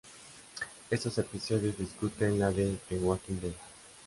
Estos episodios discuten la de The Walking Dead.